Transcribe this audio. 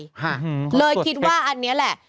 ฮะเลยคิดว่าอันนี้แหละ